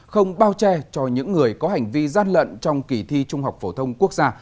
không bao che cho những người có hành vi gian lận trong kỳ thi trung học phổ thông quốc gia